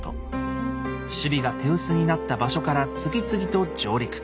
守備が手薄になった場所から次々と上陸。